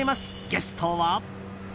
ゲストは。